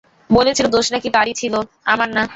বলছিল, দোষ নাকি তারই ছিল, আমার না।